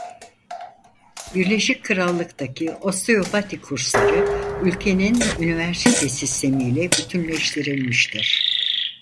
Birleşik Krallık'taki osteopati kursları ülkenin üniversite sistemiyle bütünleştirilmiştir.